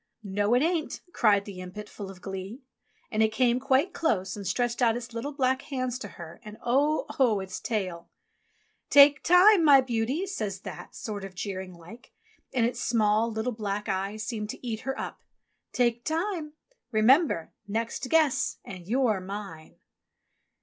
"No, it ain't," cried the impet, full of glee. And it came quite close and stretched out its little black hands to her, and 0 oh, its tail ...!!! "Take time, my beauty," says That, sort of jeering like, and its small, little, black eyes seemed to eat her up. "Take time! Remember! next guess and you're mine!"